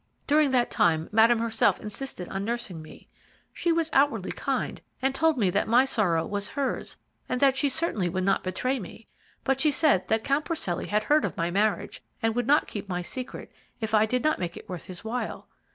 During that time Madame herself insisted on nursing me. She was outwardly kind, and told me that my sorrow was hers, and that she certainly would not betray me. But she said that Count Porcelli had heard of my marriage, and would not keep my secret if I did not make it worth his while.